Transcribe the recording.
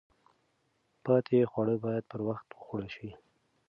پاتې خواړه باید پر وخت وخوړل شي.